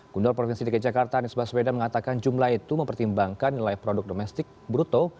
gondor provinsi dki jakarta nisbah soeda mengatakan jumlah itu mempertimbangkan nilai produk domestik bruto